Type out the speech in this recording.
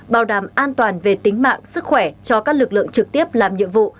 bảo đảm an toàn về tính mạng sức khỏe cho các lực lượng trực tiếp làm nhiệm vụ